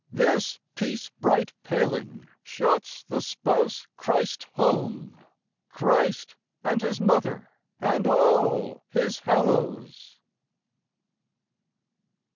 This piece bright paling shuts the spouse Christ home, Christ and his mother and all his hallows.